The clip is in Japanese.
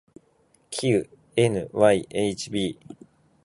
きう ｎｙｈｂ